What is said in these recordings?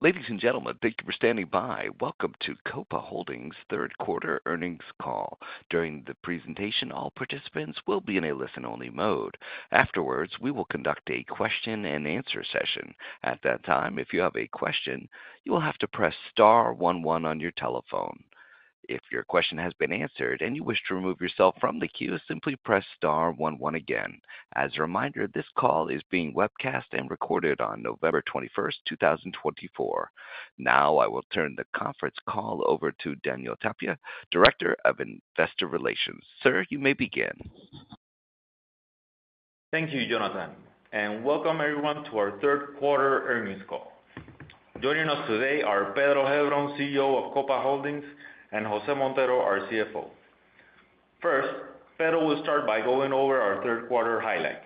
Ladies and gentlemen, thank you for standing by. Welcome to Copa Holdings' third quarter earnings call. During the presentation, all participants will be in a listen-only mode. Afterwards, we will conduct a question-and-answer session. At that time, if you have a question, you will have to press star 11 on your telephone. If your question has been answered and you wish to remove yourself from the queue, simply press star 11 again. As a reminder, this call is being webcast and recorded on November 21st, 2024. Now, I will turn the conference call over to Daniel Tapia, Director of Investor Relations. Sir, you may begin. Thank you, Jonathan, and welcome everyone to our third quarter earnings call. Joining us today are Pedro Heilbron, CEO of Copa Holdings, and José Montero, our CFO. First, Pedro will start by going over our third quarter highlights,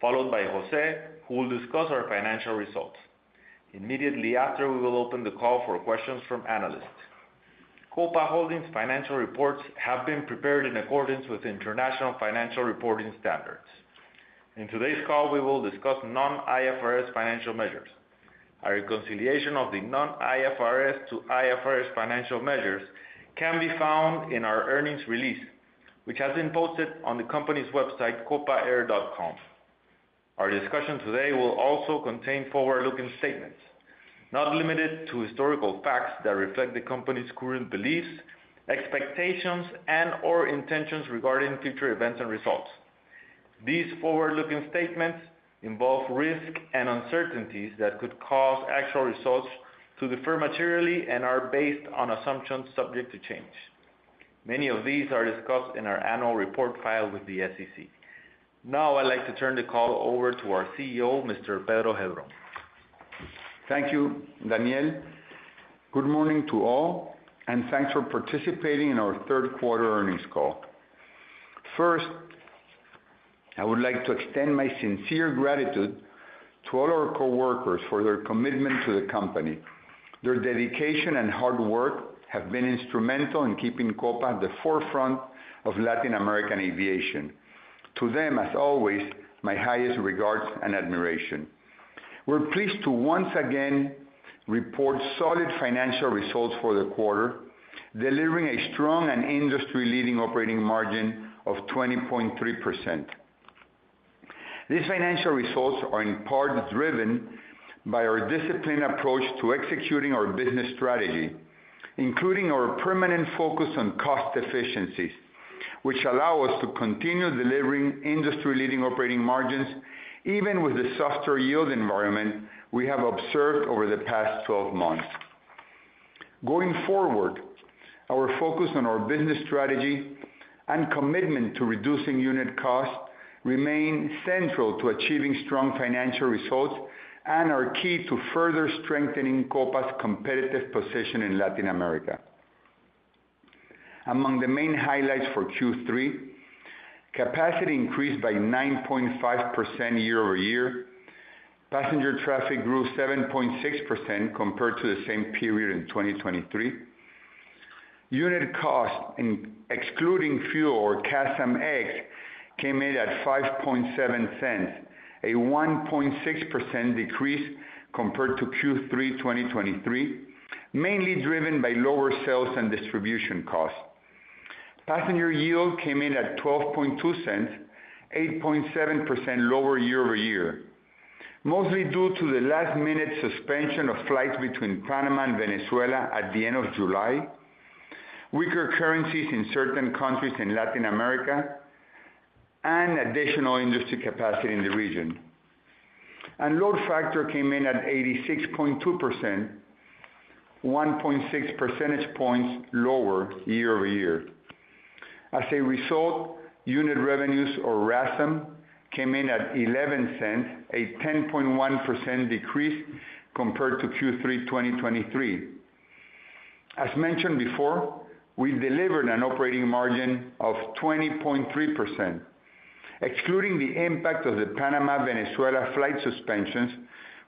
followed by José, who will discuss our financial results. Immediately after, we will open the call for questions from analysts. Copa Holdings' financial reports have been prepared in accordance with international financial reporting standards. In today's call, we will discuss non-IFRS financial measures. A reconciliation of the non-IFRS to IFRS financial measures can be found in our earnings release, which has been posted on the company's website, copaholdings.com. Our discussion today will also contain forward-looking statements, not limited to historical facts that reflect the company's current beliefs, expectations, and/or intentions regarding future events and results. These forward-looking statements involve risks and uncertainties that could cause actual results to differ materially and are based on assumptions subject to change. Many of these are discussed in our annual report filed with the SEC. Now, I'd like to turn the call over to our CEO, Mr. Pedro Heilbron. Thank you, Daniel. Good morning to all, and thanks for participating in our third quarter earnings call. First, I would like to extend my sincere gratitude to all our coworkers for their commitment to the company. Their dedication and hard work have been instrumental in keeping Copa at the forefront of Latin American aviation. To them, as always, my highest regards and admiration. We're pleased to once again report solid financial results for the quarter, delivering a strong and industry-leading operating margin of 20.3%. These financial results are in part driven by our disciplined approach to executing our business strategy, including our permanent focus on cost efficiencies, which allow us to continue delivering industry-leading operating margins even with the softer yield environment we have observed over the past 12 months. Going forward, our focus on our business strategy and commitment to reducing unit costs remain central to achieving strong financial results and are key to further strengthening Copa's competitive position in Latin America. Among the main highlights for Q3, capacity increased by 9.5% year-over-year. Passenger traffic grew 7.6% compared to the same period in 2023. Unit cost, excluding fuel or CASM ex, came in at $0.057, a 1.6% decrease compared to Q3 2023, mainly driven by lower sales and distribution costs. Passenger yield came in at $0.122, 8.7% lower year-over-year, mostly due to the last-minute suspension of flights between Panama and Venezuela at the end of July, weaker currencies in certain countries in Latin America, and additional industry capacity in the region. And load factor came in at 86.2%, 1.6 percentage points lower year-over-year. As a result, unit revenues, or RASM, came in at $0.11, a 10.1% decrease compared to Q3 2023. As mentioned before, we delivered an operating margin of 20.3%. Excluding the impact of the Panama-Venezuela flight suspensions,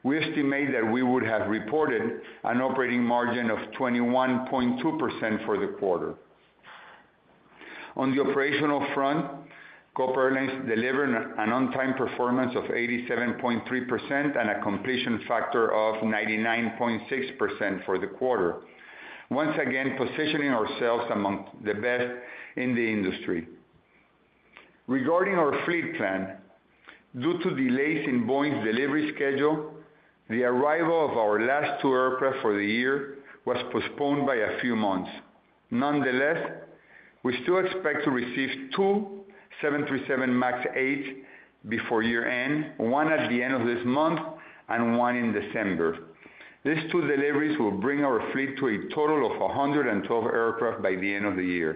we estimate that we would have reported an operating margin of 21.2% for the quarter. On the operational front, Copa Airlines delivered an on-time performance of 87.3% and a completion factor of 99.6% for the quarter, once again positioning ourselves among the best in the industry. Regarding our fleet plan, due to delays in Boeing's delivery schedule, the arrival of our last two aircraft for the year was postponed by a few months. Nonetheless, we still expect to receive two 737 MAX 8s before year-end, one at the end of this month and one in December. These two deliveries will bring our fleet to a total of 112 aircraft by the end of the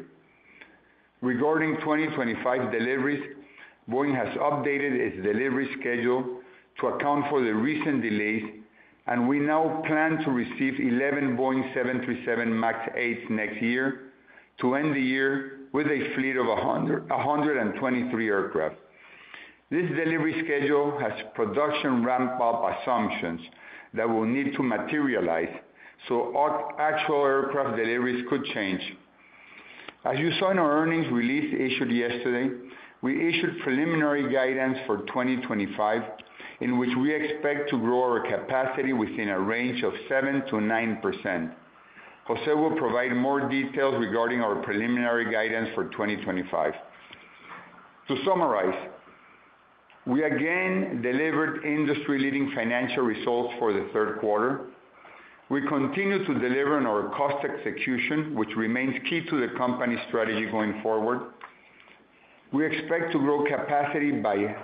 year. Regarding 2025 deliveries, Boeing has updated its delivery schedule to account for the recent delays, and we now plan to receive 11 Boeing 737 MAX 8s next year to end the year with a fleet of 123 aircraft. This delivery schedule has production ramp-up assumptions that will need to materialize, so actual aircraft deliveries could change. As you saw in our earnings release issued yesterday, we issued preliminary guidance for 2025, in which we expect to grow our capacity within a range of 7% to 9%. José will provide more details regarding our preliminary guidance for 2025. To summarize, we again delivered industry-leading financial results for the third quarter. We continue to deliver on our cost execution, which remains key to the company's strategy going forward. We expect to grow capacity by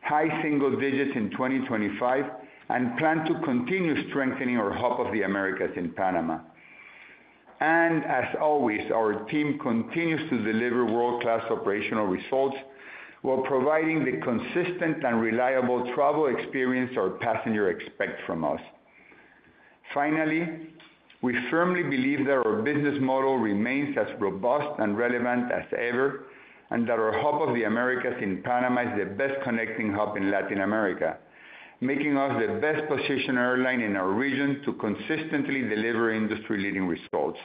high single digits in 2025 and plan to continue strengthening our Hub of the Americas in Panama, and as always, our team continues to deliver world-class operational results while providing the consistent and reliable travel experience our passengers expect from us. Finally, we firmly believe that our business model remains as robust and relevant as ever, and that our Hub of the Americas in Panama is the best connecting hub in Latin America, making us the best-positioned airline in our region to consistently deliver industry-leading results.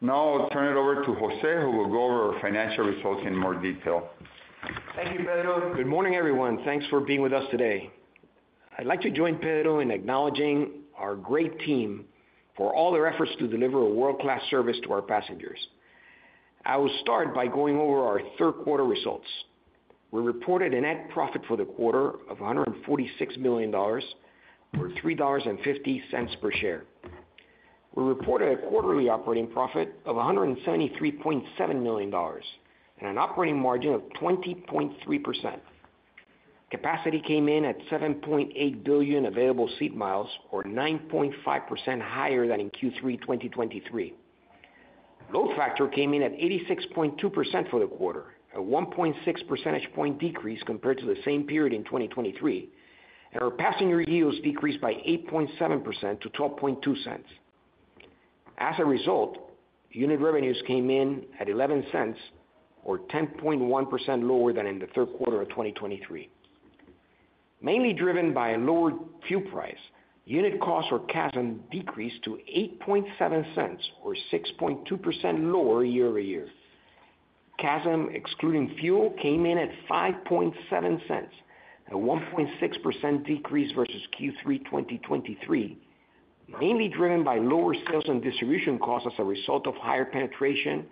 Now, I'll turn it over to José, who will go over our financial results in more detail. Thank you, Pedro. Good morning, everyone. Thanks for being with us today. I'd like to join Pedro in acknowledging our great team for all their efforts to deliver a world-class service to our passengers. I will start by going over our third quarter results. We reported a net profit for the quarter of $146 million or $3.50 per share. We reported a quarterly operating profit of $173.7 million and an operating margin of 20.3%. Capacity came in at 7.8 billion available seat miles, or 9.5% higher than in Q3 2023. Load factor came in at 86.2% for the quarter, a 1.6 percentage point decrease compared to the same period in 2023, and our passenger yields decreased by 8.7% to $0.122. As a result, unit revenues came in at $0.11, or 10.1% lower than in the third quarter of 2023. Mainly driven by a lower fuel price, unit costs for CASM decreased to $0.087, or 6.2% lower year-over-year. CASM, excluding fuel, came in at $0.057, a 1.6% decrease versus Q3 2023, mainly driven by lower sales and distribution costs as a result of higher penetration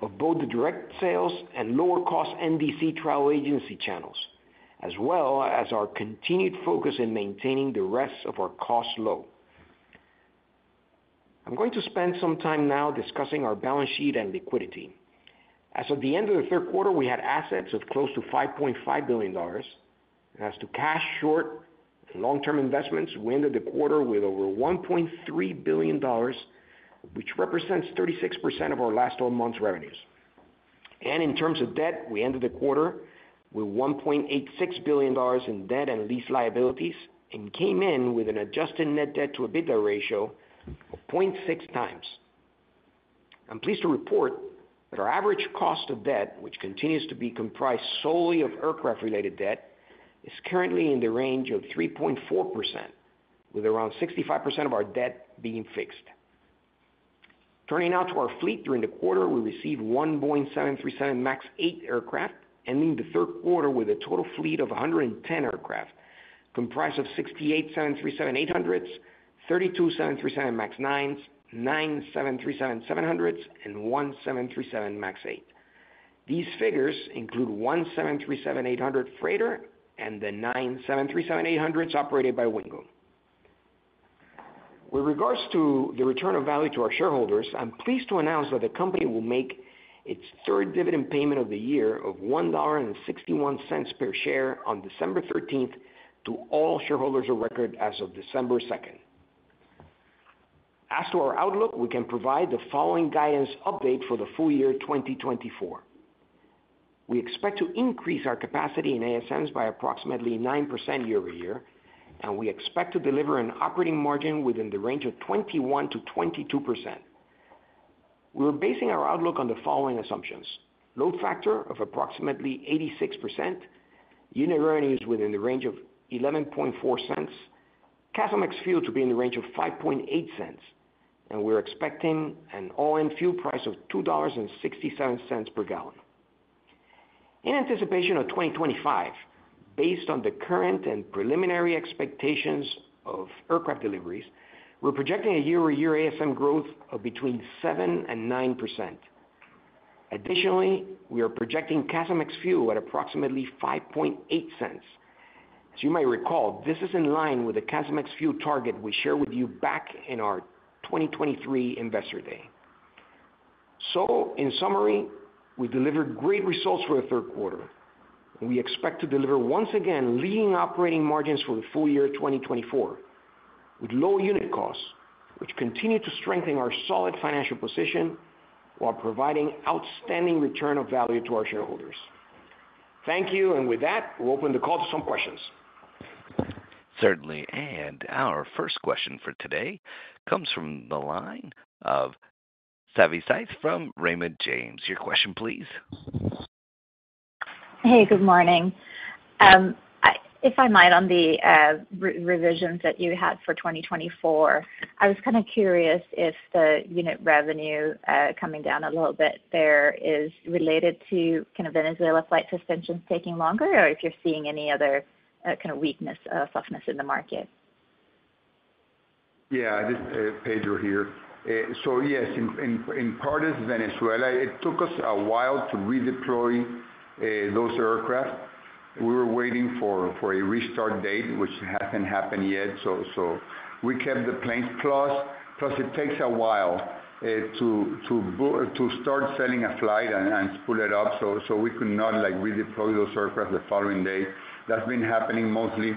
of both the direct sales and lower-cost NDC travel agency channels, as well as our continued focus in maintaining the rest of our costs low. I'm going to spend some time now discussing our balance sheet and liquidity. As of the end of the third quarter, we had assets of close to $5.5 billion. As to cash, short- and long-term investments, we ended the quarter with over $1.3 billion, which represents 36% of our last 12 months' revenues. In terms of debt, we ended the quarter with $1.86 billion in debt and lease liabilities and came in with an Adjusted Net Debt-to-EBITDA ratio of 0.6 times. I'm pleased to report that our average cost of debt, which continues to be comprised solely of aircraft-related debt, is currently in the range of 3.4%, with around 65% of our debt being fixed. Turning now to our fleet, during the quarter, we received one Boeing 737 MAX 8 aircraft, ending the third quarter with a total fleet of 110 aircraft comprised of 68 737-800s, 32 737 MAX 9s, nine 737-700s, and one 737 MAX 8. These figures include one 737-800 freighter and the nine 737-800s operated by Wingo. With regards to the return of value to our shareholders, I'm pleased to announce that the company will make its third dividend payment of the year of $1.61 per share on December 13th to all shareholders of record as of December 2nd. As to our outlook, we can provide the following guidance update for the full year 2024. We expect to increase our capacity in ASMs by approximately 9% year-over-year, and we expect to deliver an operating margin within the range of 21% to 22%. We're basing our outlook on the following assumptions: load factor of approximately 86%, unit revenues within the range of 11.4 cents, CASM ex fuel to be in the range of 5.8 cents, and we're expecting an all-in fuel price of $2.67 per gallon. In anticipation of 2025, based on the current and preliminary expectations of aircraft deliveries, we're projecting a year-over-year ASM growth of between 7% and 9%. Additionally, we are projecting CASM ex fuel at approximately $0.058. As you might recall, this is in line with the CASM ex fuel target we shared with you back in our 2023 Investor Day. So, in summary, we delivered great results for the third quarter, and we expect to deliver once again leading operating margins for the full year 2024, with low unit costs, which continue to strengthen our solid financial position while providing outstanding return of value to our shareholders. Thank you, and with that, we'll open the call to some questions. Certainly, and our first question for today comes from the line of Savi Syth from Raymond James. Your question, please. Hey, good morning. If I might, on the revisions that you had for 2024, I was kind of curious if the unit revenue coming down a little bit there is related to kind of Venezuela flight suspensions taking longer, or if you're seeing any other kind of weakness or softness in the market? Yeah, this is Pedro here. So yes, in part, it's Venezuela. It took us a while to redeploy those aircraft. We were waiting for a restart date, which hasn't happened yet. So we kept the planes closed. Plus, it takes a while to start selling a flight and spool it up. So we could not redeploy those aircraft the following day. That's been happening mostly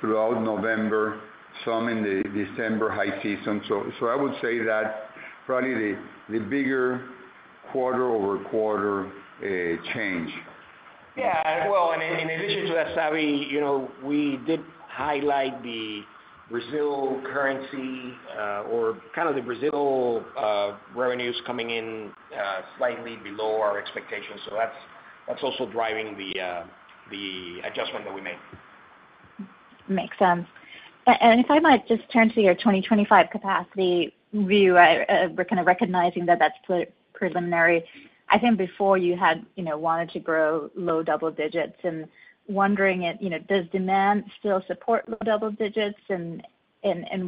throughout November, some in the December high season. So I would say that probably the bigger quarter-over-quarter change. Yeah, well, and in addition to that, Savi, we did highlight the Brazil currency or kind of the Brazil revenues coming in slightly below our expectations. So that's also driving the adjustment that we made. Makes sense. And if I might just turn to your 2025 capacity view, we're kind of recognizing that that's preliminary. I think before you had wanted to grow low double digits. And wondering if does demand still support low double digits, and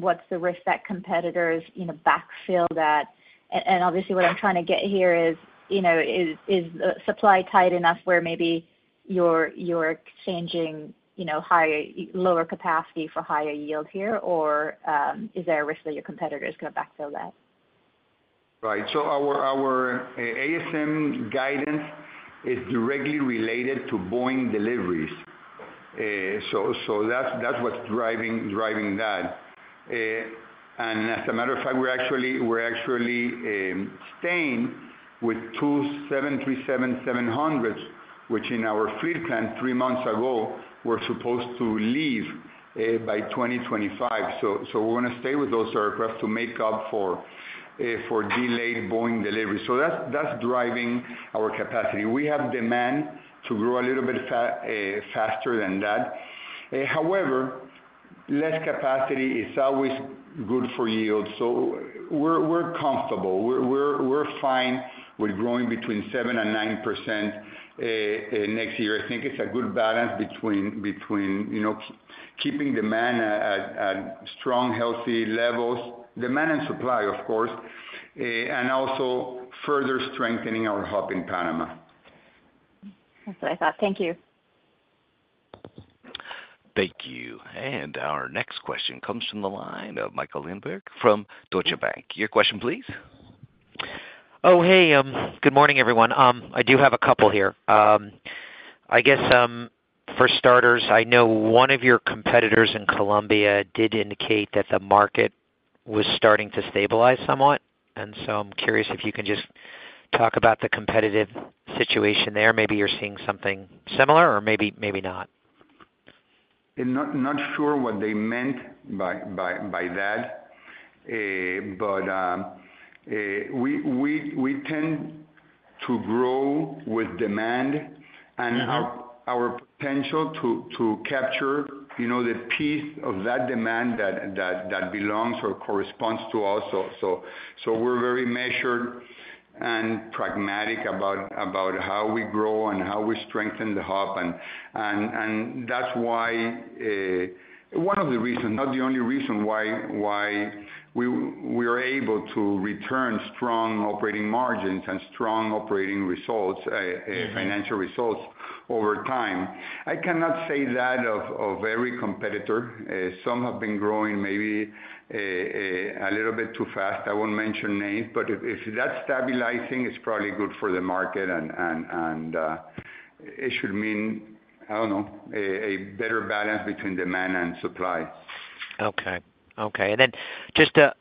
what's the risk that competitors backfill that? And obviously, what I'm trying to get here is, is the supply tight enough where maybe you're exchanging lower capacity for higher yield here, or is there a risk that your competitors kind of backfill that? Right. So our ASM guidance is directly related to Boeing deliveries. So that's what's driving that. And as a matter of fact, we're actually staying with two 737-700s, which in our fleet plan three months ago were supposed to leave by 2025. So we're going to stay with those aircraft to make up for delayed Boeing deliveries. So that's driving our capacity. We have demand to grow a little bit faster than that. However, less capacity is always good for yield. So we're comfortable. We're fine with growing between 7% and 9% next year. I think it's a good balance between keeping demand at strong, healthy levels, demand and supply, of course, and also further strengthening our hub in Panama. That's what I thought. Thank you. Thank you, and our next question comes from the line of Michael Linenberg from Deutsche Bank. Your question, please. Oh, hey, good morning, everyone. I do have a couple here. I guess, for starters, I know one of your competitors in Colombia did indicate that the market was starting to stabilize somewhat. And so I'm curious if you can just talk about the competitive situation there. Maybe you're seeing something similar, or maybe not. Not sure what they meant by that, but we tend to grow with demand, and our potential to capture the piece of that demand that belongs or corresponds to us. So we're very measured and pragmatic about how we grow and how we strengthen the hub. And that's why one of the reasons, not the only reason why we are able to return strong operating margins and strong operating results, financial results over time. I cannot say that of every competitor. Some have been growing maybe a little bit too fast. I won't mention names, but if that's stabilizing, it's probably good for the market, and it should mean, I don't know, a better balance between demand and supply. Okay. Okay. And then just a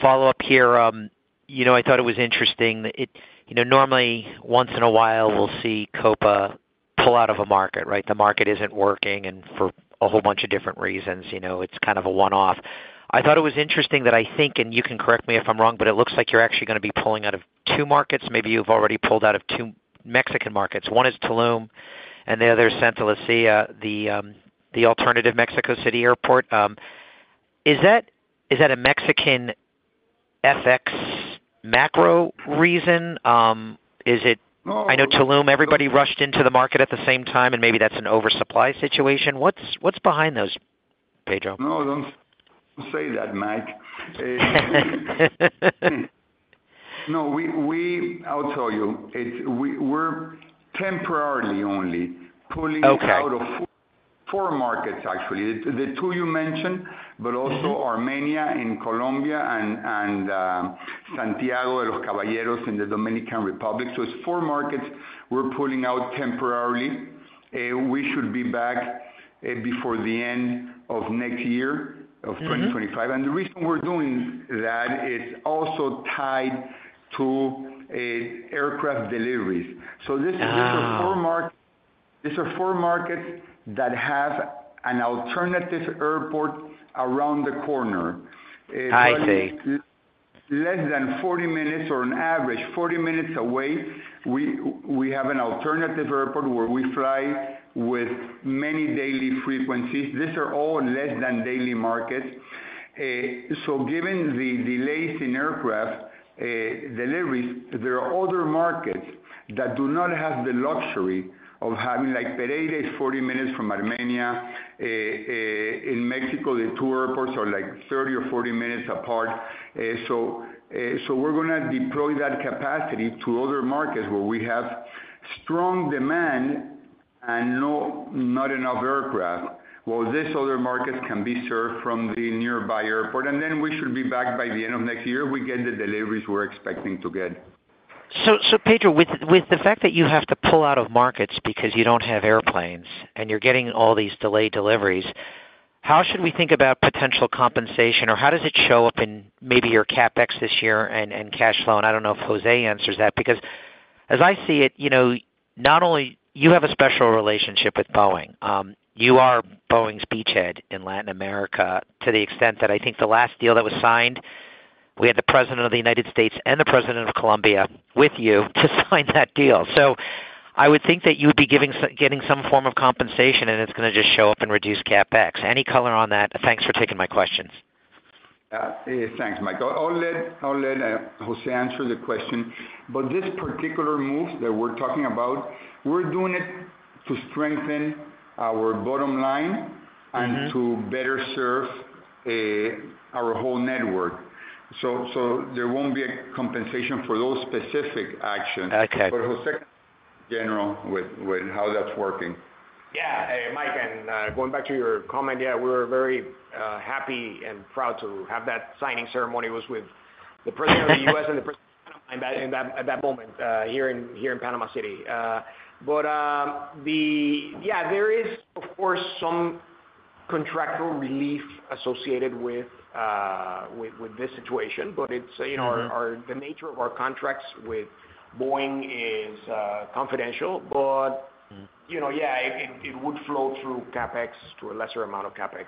follow-up here. I thought it was interesting. Normally, once in a while, we'll see Copa pull out of a market, right? The market isn't working, and for a whole bunch of different reasons, it's kind of a one-off. I thought it was interesting that I think, and you can correct me if I'm wrong, but it looks like you're actually going to be pulling out of two markets. Maybe you've already pulled out of two Mexican markets. One is Tulum, and the other is Santa Lucía, the alternative Mexico City airport. Is that a Mexican FX macro reason? Is it? No. I know Tulum, everybody rushed into the market at the same time, and maybe that's an oversupply situation. What's behind those, Pedro? No, don't say that, Mike. No, I'll tell you. We're temporarily only pulling out of four markets, actually. The two you mentioned, but also Armenia in Colombia and Santiago de los Caballeros in the Dominican Republic. So it's four markets we're pulling out temporarily. We should be back before the end of next year or 2025. And the reason we're doing that is also tied to aircraft deliveries. So these are four markets that have an alternative airport around the corner. I see. Less than 40 minutes, or on average, 40 minutes away, we have an alternative airport where we fly with many daily frequencies. These are all less-than-daily markets. So given the delays in aircraft deliveries, there are other markets that do not have the luxury of having like Pereira is 40 minutes from Armenia. In Mexico, the two airports are like 30 or 40 minutes apart. So we're going to deploy that capacity to other markets where we have strong demand and not enough aircraft. Well, these other markets can be served from the nearby airport, and then we should be back by the end of next year. We get the deliveries we're expecting to get. So Pedro, with the fact that you have to pull out of markets because you don't have airplanes and you're getting all these delayed deliveries, how should we think about potential compensation, or how does it show up in maybe your CapEx this year and cash flow? And I don't know if José answers that, because as I see it, not only do you have a special relationship with Boeing, you are Boeing's beachhead in Latin America to the extent that I think the last deal that was signed, we had the President of the United States and the President of Colombia with you to sign that deal. So I would think that you would be getting some form of compensation, and it's going to just show up and reduce CapEx. Any color on that? Thanks for taking my questions. Thanks, Mike. I'll let José answer the question. But this particular move that we're talking about, we're doing it to strengthen our bottom line and to better serve our whole network. So there won't be a compensation for those specific actions. But José can explain in general how that's working. Yeah, Mike, and going back to your comment, yeah, we were very happy and proud to have that signing ceremony with the President of the U.S. and the President of Panama at that moment here in Panama City. But yeah, there is, of course, some contractual relief associated with this situation, but the nature of our contracts with Boeing is confidential. But yeah, it would flow through CapEx to a lesser amount of CapEx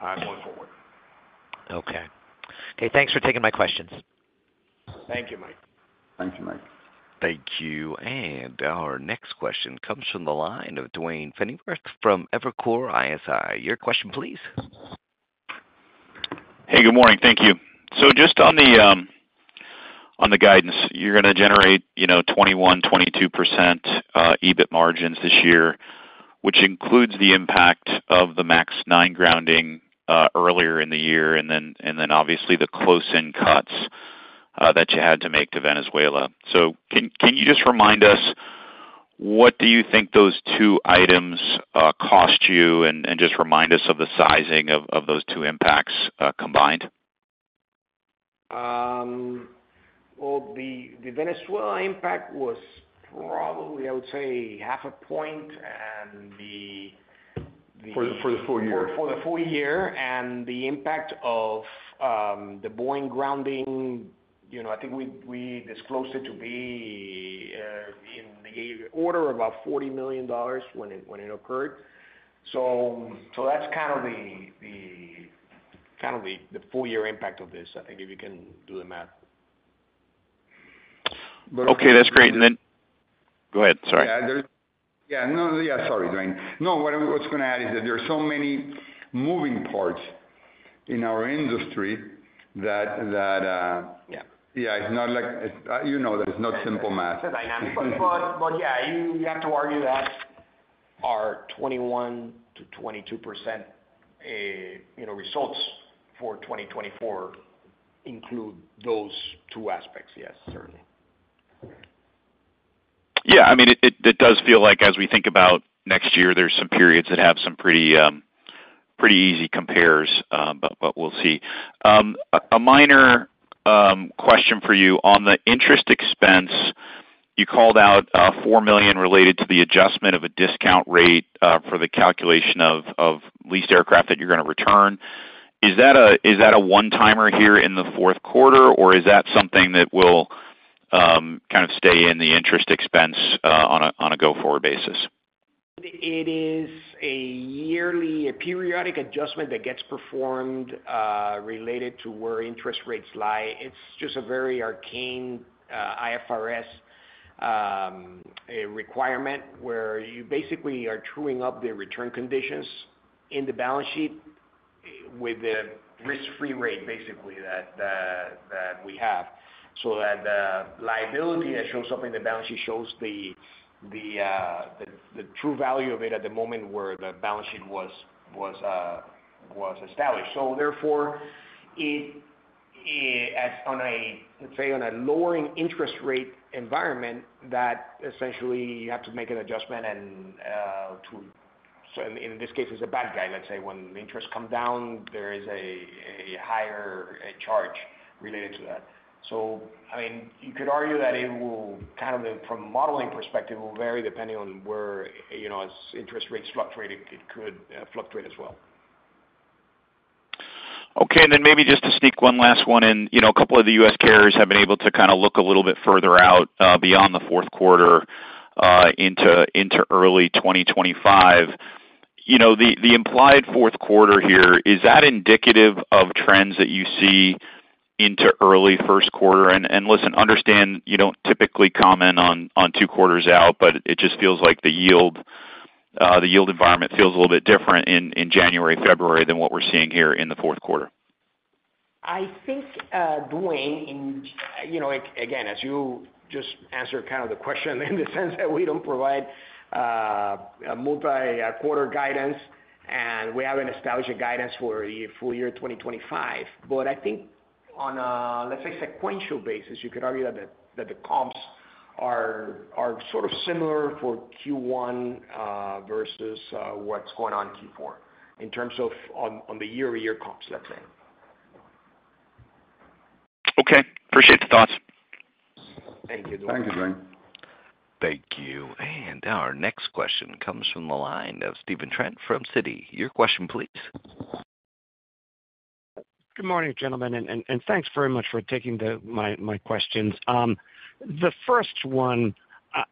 going forward. Okay. Okay. Thanks for taking my questions. Thank you, Mike. Thank you, Mike. Thank you. And our next question comes from the line of Duane Pfennigwerth from Evercore ISI. Your question, please. Hey, good morning. Thank you. So just on the guidance, you're going to generate 21% to 22% EBIT margins this year, which includes the impact of the MAX 9 grounding earlier in the year, and then obviously the close-in cuts that you had to make to Venezuela. So can you just remind us, what do you think those two items cost you, and just remind us of the sizing of those two impacts combined? The Venezuela impact was probably, I would say, half a point, and the. For the full year. For the full year, and the impact of the Boeing grounding, I think we disclosed it to be in the order of about $40 million when it occurred. So that's kind of the full year impact of this, I think, if you can do the math. Okay, that's great, and then go ahead. Sorry. Sorry, Duane. No, what I was going to add is that there are so many moving parts in our industry that, yeah, it's not like, you know, that it's not simple math. It's dynamic. But yeah, you have to argue that our 21% to 22% results for 2024 include those two aspects. Yes, certainly. Yeah, I mean, it does feel like as we think about next year, there's some periods that have some pretty easy compares, but we'll see. A minor question for you. On the interest expense, you called out $4 million related to the adjustment of a discount rate for the calculation of leased aircraft that you're going to return. Is that a one-timer here in the fourth quarter, or is that something that will kind of stay in the interest expense on a go-forward basis? It is a periodic adjustment that gets performed related to where interest rates lie. It's just a very arcane IFRS requirement where you basically are truing up the return conditions in the balance sheet with the risk-free rate, basically, that we have. So that liability that shows up in the balance sheet shows the true value of it at the moment where the balance sheet was established. So therefore, let's say on a lowering interest rate environment, that essentially you have to make an adjustment. And so in this case, it's a bad guy. Let's say when interest comes down, there is a higher charge related to that. So I mean, you could argue that it will kind of, from a modeling perspective, it will vary depending on where interest rates fluctuate. It could fluctuate as well. Okay. And then maybe just to sneak one last one in, a couple of the U.S. carriers have been able to kind of look a little bit further out beyond the fourth quarter into early 2025. The implied fourth quarter here, is that indicative of trends that you see into early first quarter? And listen, understand you don't typically comment on two quarters out, but it just feels like the yield environment feels a little bit different in January, February than what we're seeing here in the fourth quarter. I think Duane, again, as you just answered kind of the question in the sense that we don't provide a multi-quarter guidance, and we haven't established a guidance for the full year 2025. But I think on a, let's say, sequential basis, you could argue that the comps are sort of similar for Q1 versus what's going on Q4 in terms of on the year-to-year comps, let's say. Okay. Appreciate the thoughts. Thank you. Thank you, Duane. Thank you. And our next question comes from the line of Stephen Trent from Citi. Your question, please. Good morning, gentlemen, and thanks very much for taking my questions. The first one,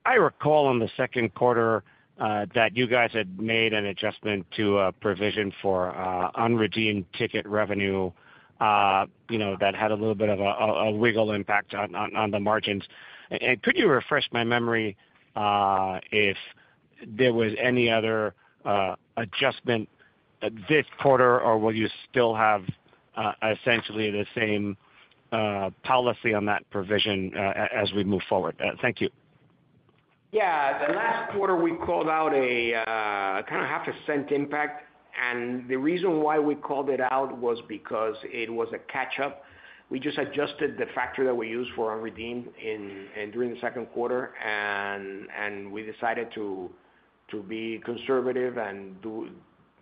I recall in the second quarter that you guys had made an adjustment to a provision for unredeemed ticket revenue that had a little bit of a wiggle impact on the margins. And could you refresh my memory if there was any other adjustment this quarter, or will you still have essentially the same policy on that provision as we move forward? Thank you. Yeah. The last quarter, we called out a kind of $0.005 impact. And the reason why we called it out was because it was a catch-up. We just adjusted the factor that we use for unredeemed during the second quarter, and we decided to be conservative, and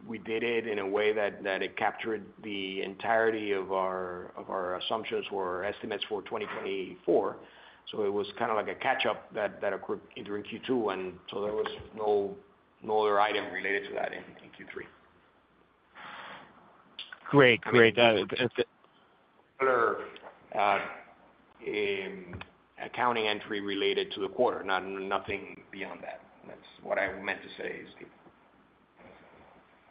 we did it in a way that it captured the entirety of our assumptions or estimates for 2024. So it was kind of like a catch-up that occurred during Q2, and so there was no other item related to that in Q3. Great. Great. No other accounting entry related to the quarter. Nothing beyond that. That's what I meant to say, Steve.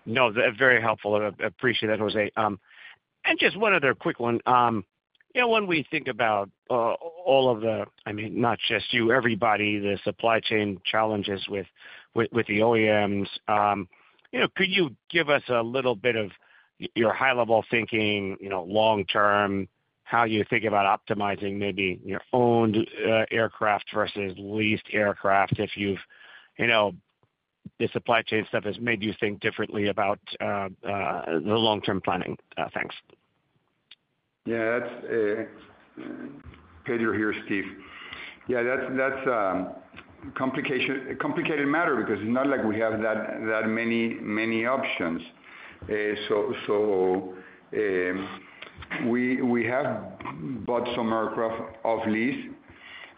No, very helpful. I appreciate that, José. And just one other quick one. When we think about all of the, I mean, not just you, everybody, the supply chain challenges with the OEMs, could you give us a little bit of your high-level thinking, long-term, how you think about optimizing maybe your owned aircraft versus leased aircraft if the supply chain stuff has made you think differently about the long-term planning? Thanks. Yeah. Pedro here, Steve. Yeah, that's a complicated matter because it's not like we have that many options. So we have bought some aircraft off-lease.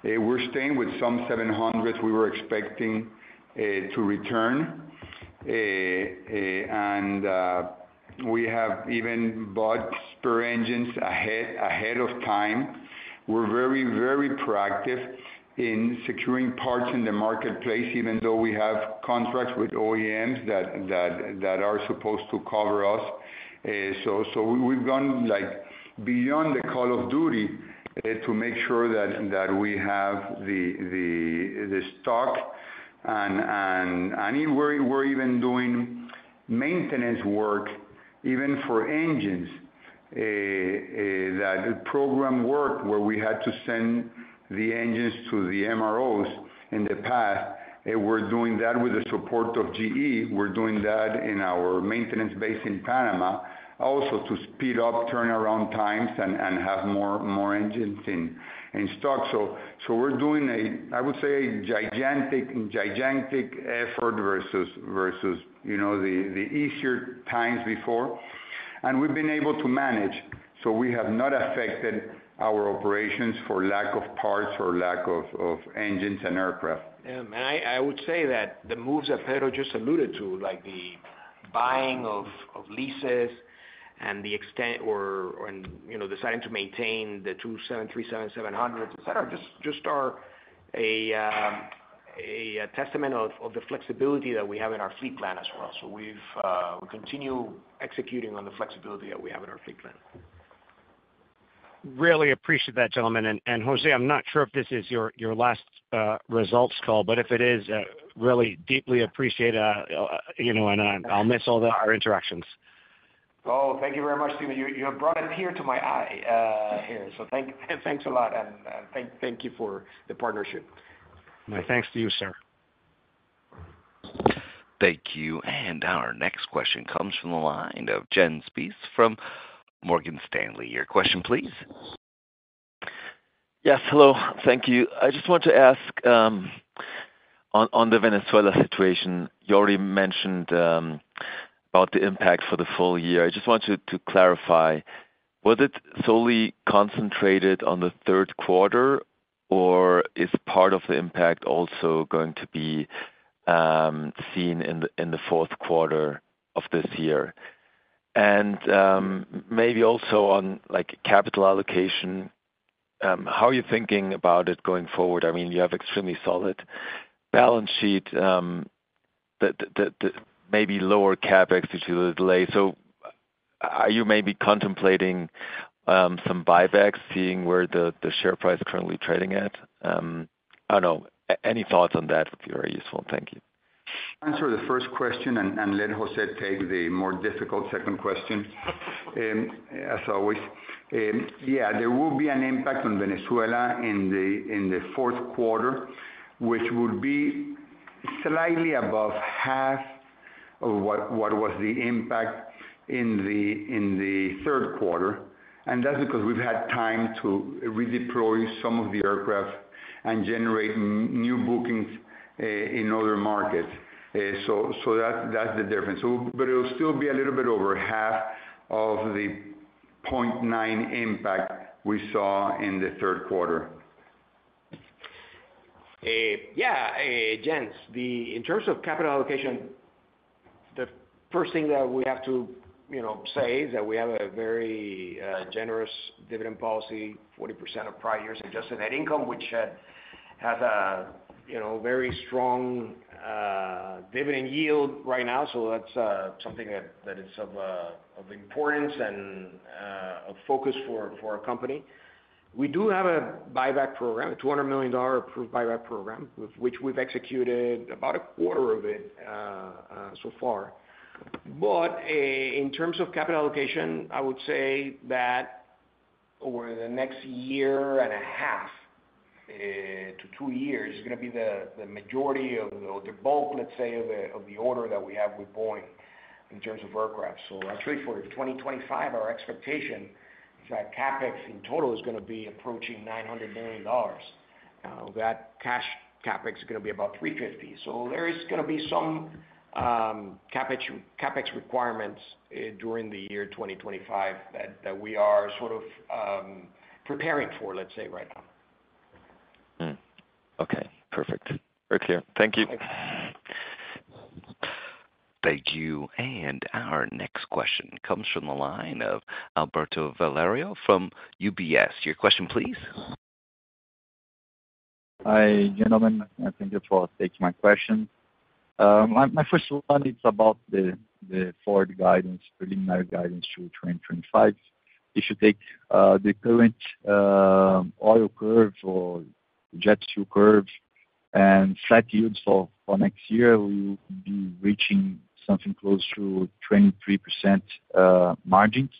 We're staying with some 700s we were expecting to return. And we have even bought spare engines ahead of time. We're very, very proactive in securing parts in the marketplace, even though we have contracts with OEMs that are supposed to cover us. So we've gone beyond the call of duty to make sure that we have the stock. And we're even doing maintenance work, even for engines, that program work where we had to send the engines to the MROs in the past. We're doing that with the support of GE. We're doing that in our maintenance base in Panama also to speed up turnaround times and have more engines in stock. So we're doing, I would say, a gigantic effort versus the easier times before. And we've been able to manage. So we have not affected our operations for lack of parts or lack of engines and aircraft. Yeah. And I would say that the moves that Pedro just alluded to, like the buying of leases and the extension or deciding to maintain the 737-700s, etc., just are a testament to the flexibility that we have in our fleet plan as well. So we continue executing on the flexibility that we have in our fleet plan. Really appreciate that, gentlemen. And José, I'm not sure if this is your last results call, but if it is, really deeply appreciate it, and I'll miss all our interactions. Oh, thank you very much, Stephen. You have brought a tear to my eye here. So thanks a lot, and thank you for the partnership. My thanks to you, sir. Thank you. And our next question comes from the line of Jens Spiess from Morgan Stanley. Your question, please. Yes. Hello. Thank you. I just want to ask on the Venezuela situation. You already mentioned about the impact for the full year. I just want to clarify, was it solely concentrated on the third quarter, or is part of the impact also going to be seen in the fourth quarter of this year? And maybe also on capital allocation, how are you thinking about it going forward? I mean, you have extremely solid balance sheet, maybe lower CapEx due to the delay. So are you maybe contemplating some buybacks, seeing where the share price is currently trading at? I don't know. Any thoughts on that would be very useful. Thank you. Answer the first question and let José take the more difficult second question, as always. Yeah, there will be an impact on Venezuela in the fourth quarter, which would be slightly above half of what was the impact in the third quarter. And that's because we've had time to redeploy some of the aircraft and generate new bookings in other markets. So that's the difference. But it'll still be a little bit over half of the 0.9 impact we saw in the third quarter. Yeah. Jens, in terms of capital allocation, the first thing that we have to say is that we have a very generous dividend policy, 40% of prior years adjusted net income, which has a very strong dividend yield right now. So that's something that is of importance and of focus for our company. We do have a buyback program, a $200 million approved buyback program, of which we've executed about a quarter of it so far. But in terms of capital allocation, I would say that over the next year and a half to two years, it's going to be the majority of the bulk, let's say, of the order that we have with Boeing in terms of aircraft. So actually, for 2025, our expectation is that CapEx in total is going to be approaching $900 million. That cash CapEx is going to be about 350. So there is going to be some CapEx requirements during the year 2025 that we are sort of preparing for, let's say, right now. Okay. Perfect. Very clear. Thank you. Thank you. And our next question comes from the line of Alberto Valerio from UBS. Your question, please. Hi, gentlemen. Thank you for taking my question. My first one, it's about the forward guidance, preliminary guidance through 2025. If you take the current oil curve or jet fuel curve and flat yields for next year, we will be reaching something close to 23% margins.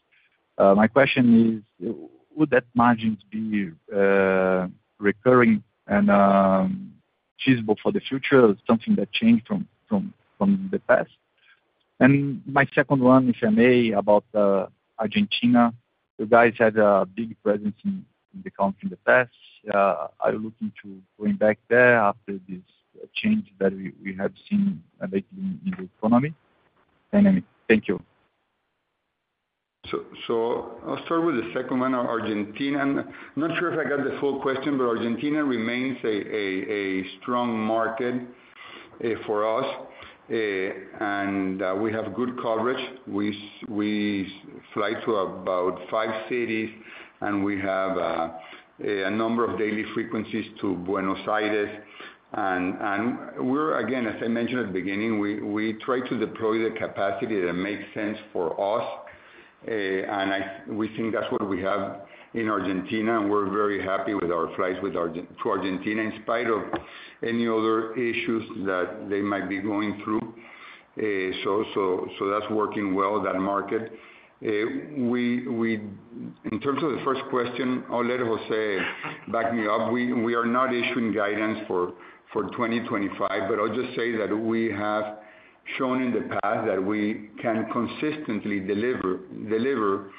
My question is, would that margin be recurring and feasible for the future, something that changed from the past? And my second one, if I may, about Argentina. You guys had a big presence in the country in the past. Are you looking to going back there after this change that we have seen lately in the economy? Thank you. So I'll start with the second one, Argentina. I'm not sure if I got the full question, but Argentina remains a strong market for us. And we have good coverage. We fly to about five cities, and we have a number of daily frequencies to Buenos Aires. And again, as I mentioned at the beginning, we try to deploy the capacity that makes sense for us. And we think that's what we have in Argentina. And we're very happy with our flights to Argentina in spite of any other issues that they might be going through. So that's working well, that market. In terms of the first question, I'll let José back me up. We are not issuing guidance for 2025, but I'll just say that we have shown in the past that we can consistently deliver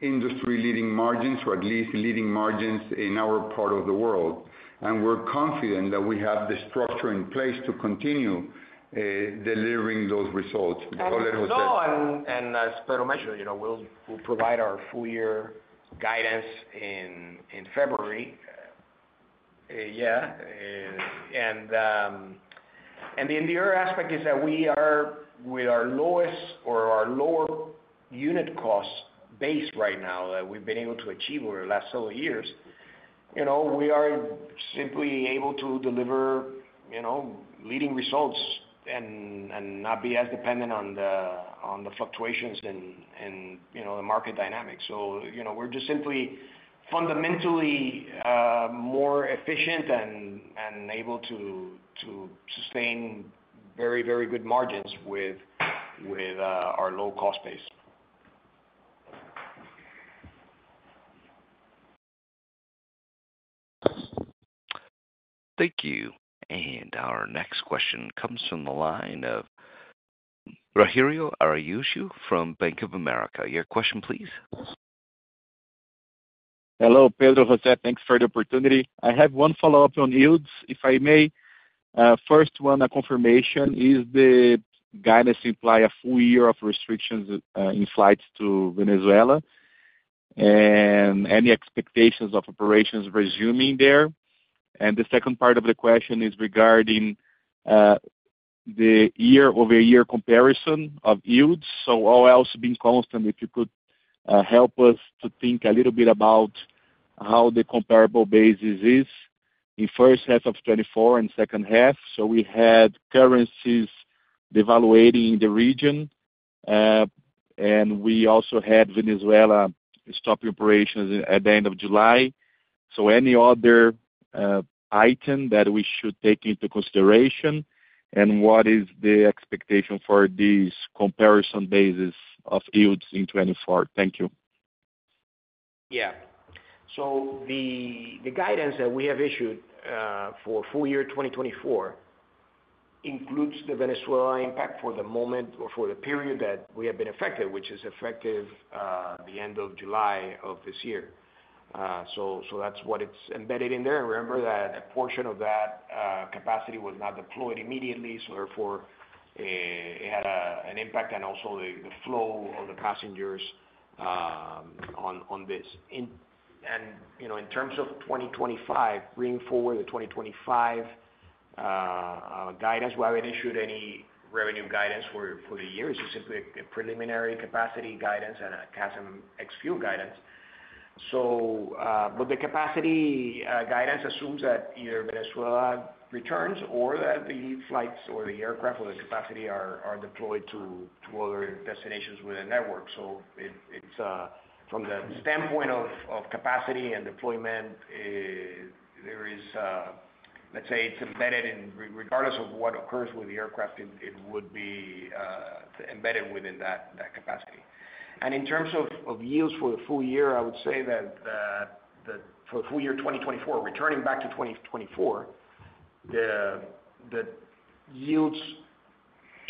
industry-leading margins or at least leading margins in our part of the world. We're confident that we have the structure in place to continue delivering those results. I'll let José. As Pedro mentioned, we'll provide our full-year guidance in February. Yeah. The enduring aspect is that we are with our lowest or our lower unit cost base right now that we've been able to achieve over the last several years. We are simply able to deliver leading results and not be as dependent on the fluctuations in the market dynamics. We're just simply fundamentally more efficient and able to sustain very, very good margins with our low cost base. Thank you. And our next question comes from the line of Rogério Araújo from Bank of America. Your question, please. Hello, Pedro, José. Thanks for the opportunity. I have one follow-up on yields, if I may. First one, a confirmation is the guidance imply a full year of restrictions in flights to Venezuela and any expectations of operations resuming there? And the second part of the question is regarding the year-over-year comparison of yields. So while also being constant, if you could help us to think a little bit about how the comparable basis is in first half of 2024 and second half. So we had currencies devaluing in the region, and we also had Venezuela stopping operations at the end of July. So any other item that we should take into consideration? And what is the expectation for these comparison bases of yields in 2024? Thank you. Yeah. So the guidance that we have issued for full year 2024 includes the Venezuela impact for the moment or for the period that we have been affected, which is effective the end of July of this year. So that's what it's embedded in there. Remember that a portion of that capacity was not deployed immediately, so therefore it had an impact on also the flow of the passengers on this. And in terms of 2025, bringing forward the 2025 guidance, we haven't issued any revenue guidance for the year. It's simply a preliminary capacity guidance and a CASM ex fuel guidance. But the capacity guidance assumes that either Venezuela returns or that the flights or the aircraft or the capacity are deployed to other destinations within the network. So from the standpoint of capacity and deployment, there is, let's say, it's embedded in regardless of what occurs with the aircraft. It would be embedded within that capacity. And in terms of yields for the full year, I would say that for the full year 2024, returning back to 2024, the yields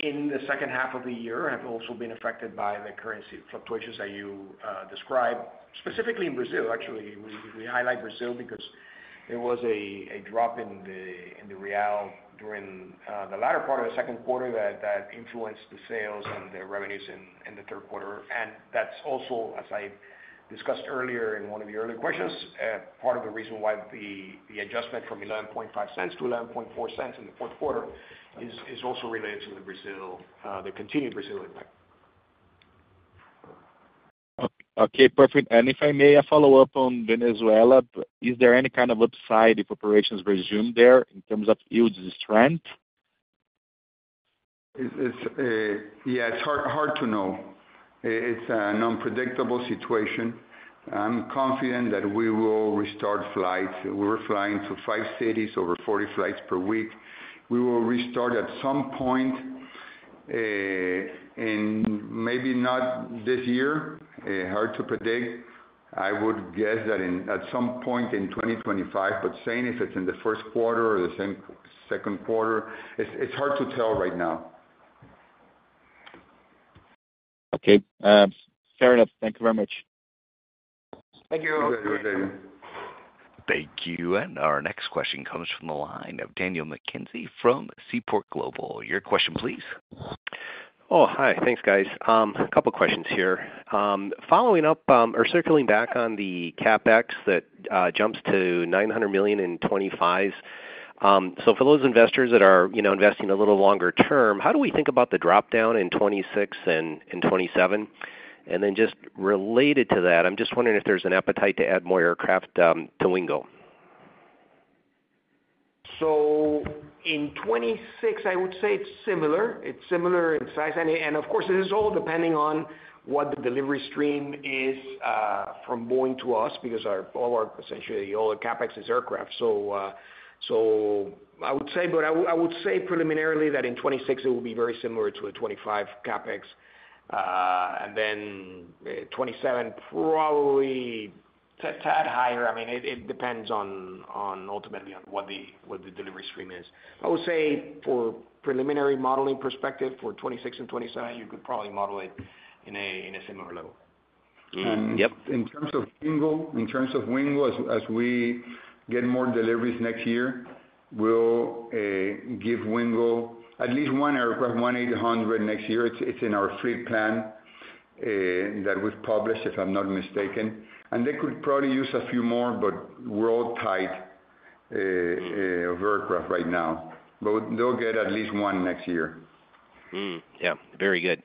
in the second half of the year have also been affected by the currency fluctuations that you described, specifically in Brazil. Actually, we highlight Brazil because there was a drop in the real during the latter part of the second quarter that influenced the sales and the revenues in the third quarter. And that's also, as I discussed earlier in one of the early questions, part of the reason why the adjustment from $0.115 to $0.114 in the fourth quarter is also related to the Brazil, the continued Brazil impact. Okay. Perfect. And if I may, a follow-up on Venezuela, is there any kind of upside if operations resume there in terms of yields and strength? Yes. Hard to know. It's an unpredictable situation. I'm confident that we will restart flights. We were flying to five cities over 40 flights per week. We will restart at some point, and maybe not this year. Hard to predict. I would guess that at some point in 2025, but saying if it's in the first quarter or the second quarter, it's hard to tell right now. Okay. Fair enough. Thank you very much. Thank you. Thank you. And our next question comes from the line of Daniel McKenzie from Seaport Global. Your question, please. Oh, hi. Thanks, guys. A couple of questions here. Following up or circling back on the CapEx that jumps to $900 million in 2025. So for those investors that are investing a little longer term, how do we think about the dropdown in 2026 and 2027? And then just related to that, I'm just wondering if there's an appetite to add more aircraft to Wingo. So in 2026, I would say it's similar. It's similar in size. And of course, it is all depending on what the delivery stream is from Boeing to us because all our essentially all the CapEx is aircraft. So I would say, but I would say preliminarily that in 2026, it will be very similar to the 2025 CapEx. And then 2027, probably to add higher. I mean, it depends ultimately on what the delivery stream is. I would say for preliminary modeling perspective, for 2026 and 2027, you could probably model it in a similar level. In terms of Wingo, as we get more deliveries next year, we'll give Wingo at least one aircraft, one 800 next year. It's in our fleet plan that we've published, if I'm not mistaken. And they could probably use a few more, but we're all tight of aircraft right now. But they'll get at least one next year. Yeah. Very good.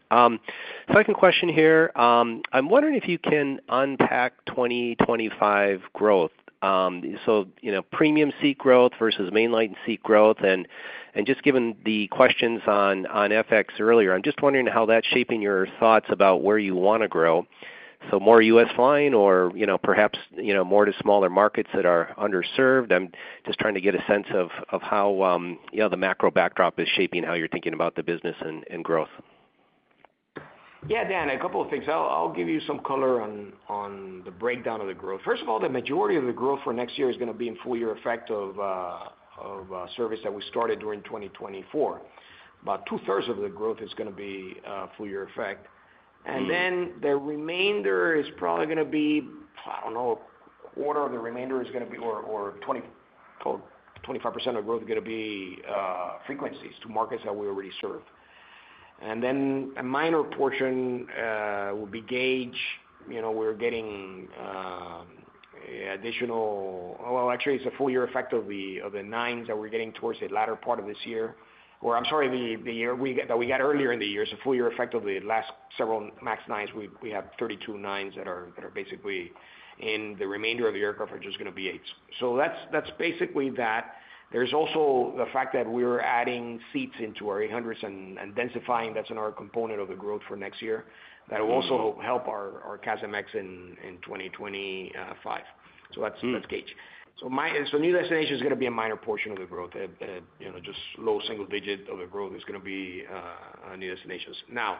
Second question here. I'm wondering if you can unpack 2025 growth. So premium seat growth versus mainline seat growth. And just given the questions on FX earlier, I'm just wondering how that's shaping your thoughts about where you want to grow. So more US flying or perhaps more to smaller markets that are underserved? I'm just trying to get a sense of how the macro backdrop is shaping how you're thinking about the business and growth. Yeah, Dan, a couple of things. I'll give you some color on the breakdown of the growth. First of all, the majority of the growth for next year is going to be in full year effect of service that we started during 2024. About two-thirds of the growth is going to be full year effect. And then the remainder is probably going to be, I don't know, a quarter of the remainder is going to be or 25% of the growth is going to be frequencies to markets that we already serve. And then a minor portion will be gauge. We're getting additional, well, actually, it's a full year effect of the nines that we're getting towards the latter part of this year, or I'm sorry, the year that we got earlier in the year. So, full-year effect of the last several MAX 9s, we have 32 9s that are basically in the remainder of the aircraft are just going to be 8s. So that's basically that. There's also the fact that we're adding seats into our 800s and densifying. That's another component of the growth for next year that will also help our CASM ex in 2025. So that's gauge. So new destinations is going to be a minor portion of the growth. Just low single-digit of the growth is going to be new destinations. Now,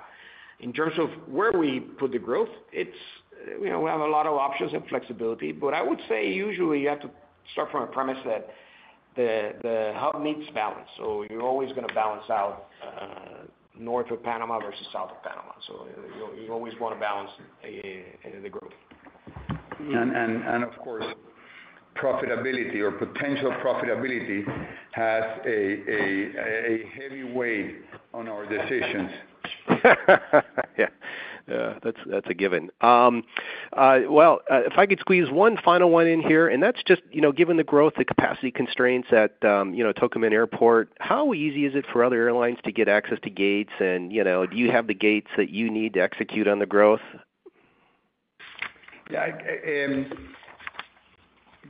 in terms of where we put the growth, we have a lot of options and flexibility. But I would say usually you have to start from a premise that the hub needs balance. So you're always going to balance out north of Panama versus south of Panama. So you always want to balance the growth. Of course, profitability or potential profitability has a heavy weight on our decisions. Yeah. That's a given. Well, if I could squeeze one final one in here, and that's just given the growth, the capacity constraints at Tocumen Airport, how easy is it for other airlines to get access to gates? And do you have the gates that you need to execute on the growth? Yeah.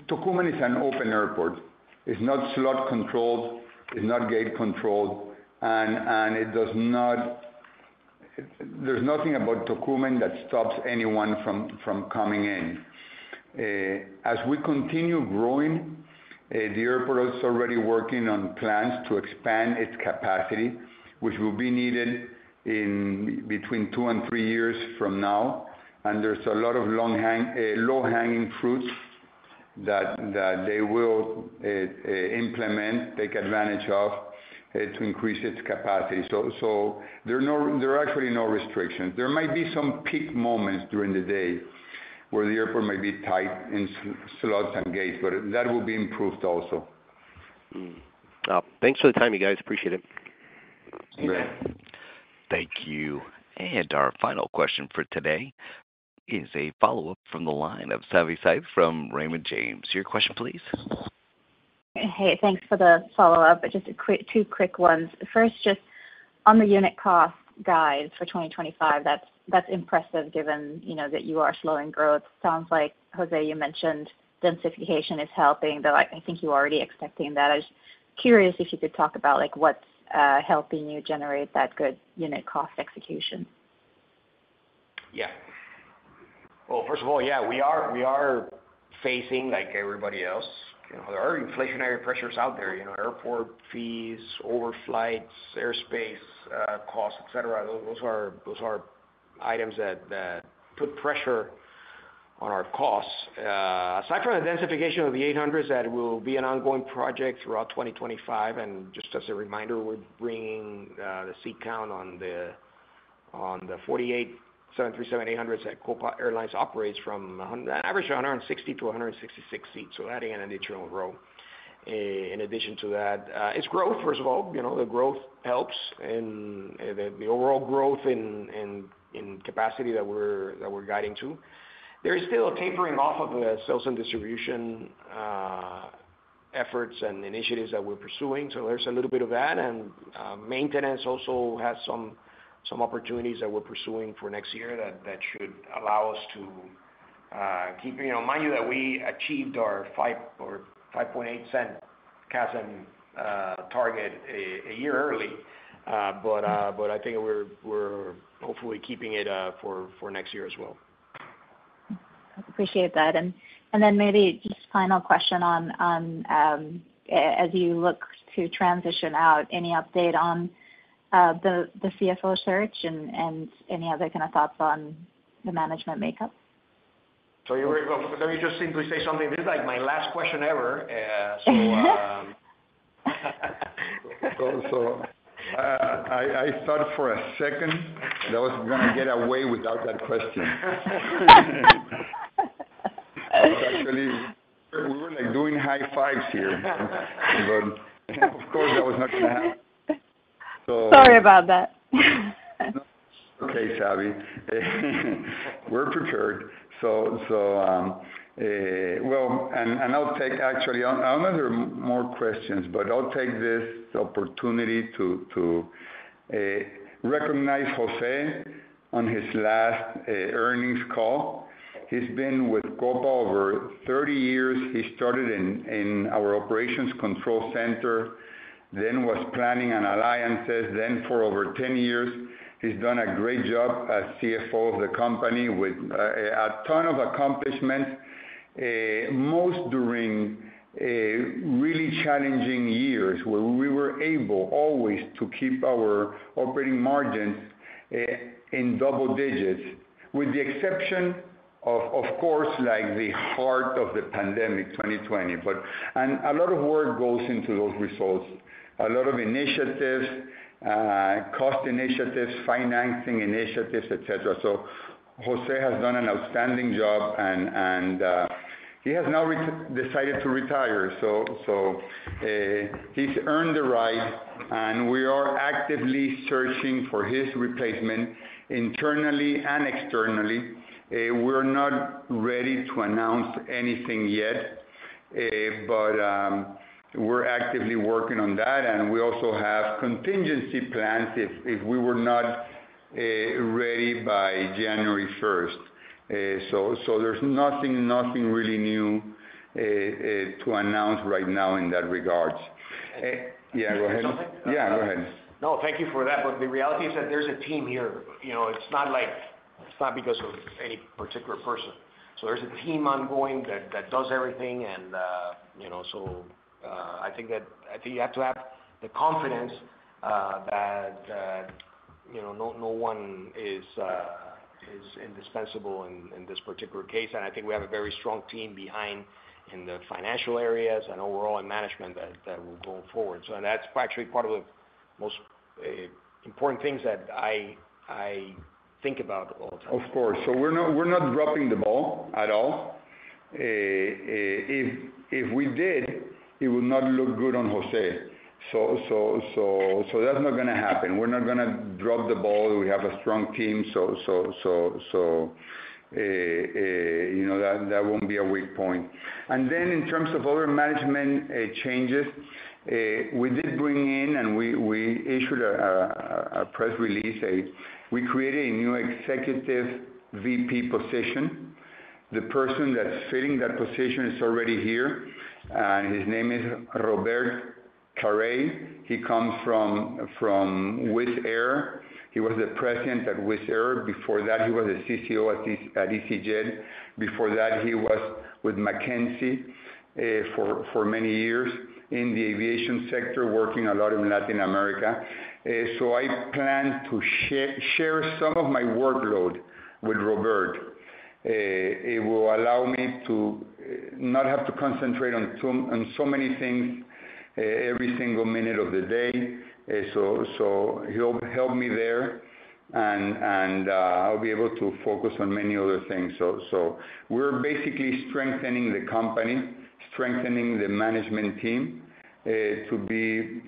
Tocumen is an open airport. It's not slot controlled. It's not gate controlled. And there's nothing about Tocumen that stops anyone from coming in. As we continue growing, the airport is already working on plans to expand its capacity, which will be needed in between two and three years from now. And there's a lot of low-hanging fruits that they will implement, take advantage of to increase its capacity. So there are actually no restrictions. There might be some peak moments during the day where the airport might be tight in slots and gates, but that will be improved also. Thanks for the time, you guys. Appreciate it. Thank you. Thank you. And our final question for today is a follow-up from the line of Savi Syth from Raymond James. Your question, please. Hey, thanks for the follow-up. Just two quick ones. First, just on the unit cost guide for 2025, that's impressive given that you are slowing growth. Sounds like, José, you mentioned densification is helping, though I think you're already expecting that. I'm curious if you could talk about what's helping you generate that good unit cost execution. Yeah. Well, first of all, yeah, we are facing like everybody else. There are inflationary pressures out there: airport fees, overflights, airspace costs, etc. Those are items that put pressure on our costs. Aside from the densification of the 800s, that will be an ongoing project throughout 2025. And just as a reminder, we're bringing the seat count on the 48 737-800s that Copa Airlines operates from an average of 160 to 166 seats. So adding an additional row in addition to that. It's growth, first of all. The growth helps in the overall growth in capacity that we're guiding to. There is still a tapering off of the sales and distribution efforts and initiatives that we're pursuing. So there's a little bit of that. Maintenance also has some opportunities that we're pursuing for next year that should allow us to keep in mind that we achieved our 5.8 cents CASM target a year early. I think we're hopefully keeping it for next year as well. Appreciate that, and then maybe just final question on, as you look to transition out, any update on the CFO search and any other kind of thoughts on the management makeup? Sorry, let me just simply say something. This is my last question ever. So I thought for a second that I was going to get away without that question. Actually, we were doing high fives here, but of course, that was not going to happen. Sorry about that. Okay, Savi. We're prepared. Well, and I'll take, actually, I'll answer more questions, but I'll take this opportunity to recognize José on his last earnings call. He's been with Copa over 30 years. He started in our operations control center, then was planning on alliances, then for over 10 years. He's done a great job as CFO of the company with a ton of accomplishments, most during really challenging years where we were able always to keep our operating margins in double digits, with the exception of, of course, like the heart of the pandemic, 2020. And a lot of work goes into those results, a lot of initiatives, cost initiatives, financing initiatives, etc. So José has done an outstanding job, and he has now decided to retire. So he's earned the right, and we are actively searching for his replacement internally and externally. We're not ready to announce anything yet, but we're actively working on that. And we also have contingency plans if we were not ready by January 1st. So there's nothing really new to announce right now in that regard. Yeah, go ahead. Yeah, go ahead. No, thank you for that. But the reality is that there's a team here. It's not because of any particular person. So there's a team ongoing that does everything. And so I think that you have to have the confidence that no one is indispensable in this particular case. And I think we have a very strong team behind in the financial areas and overall in management that will go forward. So that's actually part of the most important things that I think about all the time. Of course. So we're not dropping the ball at all. If we did, it would not look good on José. So that's not going to happen. We're not going to drop the ball. We have a strong team. So that won't be a weak point, and then in terms of other management changes, we did bring in and we issued a press release. We created a new executive VP position. The person that's filling that position is already here, and his name is Robert Carey. He comes from Wizz Air. He was the president at Wizz Air. Before that, he was a CCO at easyJet. Before that, he was with McKinsey for many years in the aviation sector, working a lot in Latin America. So I plan to share some of my workload with Robert. It will allow me to not have to concentrate on so many things every single minute of the day, so he'll help me there, and I'll be able to focus on many other things, so we're basically strengthening the company, strengthening the management team to be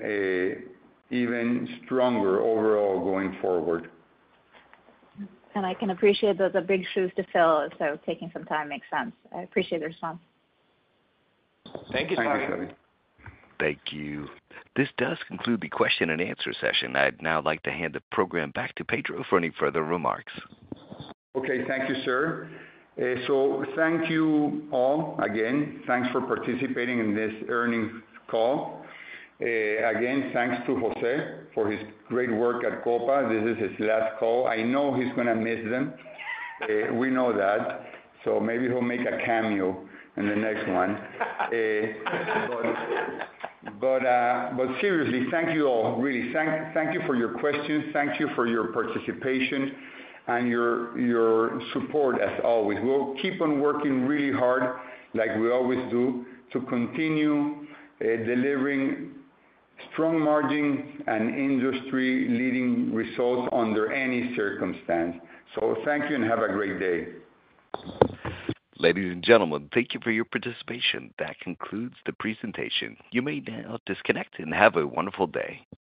even stronger overall going forward. I can appreciate those are big shoes to fill. Taking some time makes sense. I appreciate the response. Thank you, Savi. Thank you. This does conclude the question and answer session. I'd now like to hand the program back to Pedro for any further remarks. Okay. Thank you, sir. So thank you all again. Thanks for participating in this earnings call. Again, thanks to José for his great work at Copa. This is his last call. I know he's going to miss them. We know that. So maybe he'll make a cameo in the next one. But seriously, thank you all. Really, thank you for your questions. Thank you for your participation and your support, as always. We'll keep on working really hard, like we always do, to continue delivering strong margins and industry-leading results under any circumstance. So thank you and have a great day. Ladies and gentlemen, thank you for your participation. That concludes the presentation. You may now disconnect and have a wonderful day.